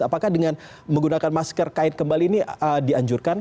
apakah dengan menggunakan masker kain kembali ini dianjurkan